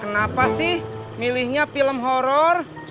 kenapa sih milihnya film horror